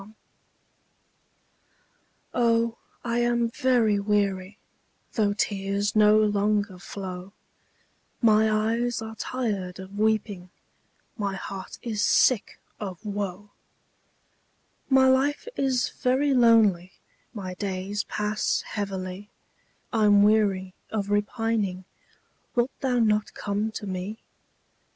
APPEAL. Oh, I am very weary, Though tears no longer flow; My eyes are tired of weeping, My heart is sick of woe; My life is very lonely My days pass heavily, I'm weary of repining; Wilt thou not come to me?